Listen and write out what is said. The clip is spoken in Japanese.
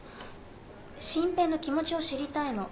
真平の気持ちを知りたいの。